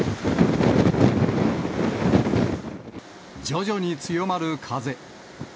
徐々に強まる風。